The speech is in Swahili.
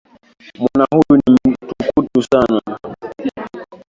Mwana huyu ni mtukutu sana.